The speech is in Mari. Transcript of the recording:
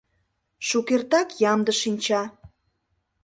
— Шукертак ямде шинча.